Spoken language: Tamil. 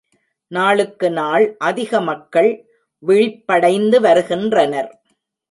நாளுக்கு நாள் அதிக மக்கள் விழிப்படைந்து வருகின்றனர்.